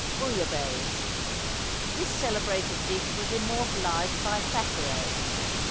=Bouillabaisse.= This celebrated dish was immortalized by Thackeray.